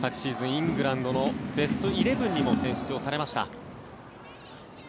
イングランドのベストイレブンにも選出されました。